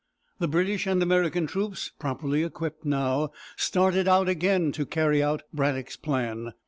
The British and American troops, properly equipped, now started out again to carry out Braddock's plan.